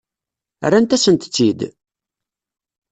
Rrant-asent-tt-id?